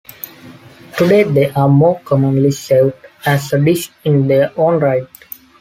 Today, they are more commonly served as a dish in their own right.